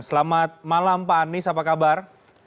selamat malam pak anies apa kabar